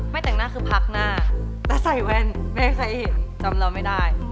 แต่งหน้าคือพักหน้าแต่ใส่แว่นไม่ให้ใครเห็นจำเราไม่ได้